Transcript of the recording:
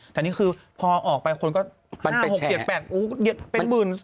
แต่นี่คือพอออกไปคนก็๕๖๗๘เป็น๑๔๐๐